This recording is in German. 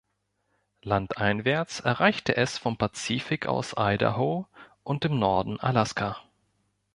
Landeinwärts erreichte es vom Pazifik aus Idaho und im Norden Alaska.